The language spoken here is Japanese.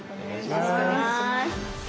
よろしくお願いします。